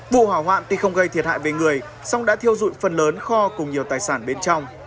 vụ hỏa hoạn thì không gây thiệt hại về người song đã thiêu dụi phần lớn kho cùng nhiều tài sản bên trong